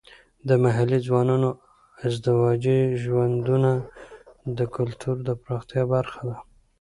د محلي ځوانانو ازدواجي ژوندونه د کلتور د پراختیا برخه ده.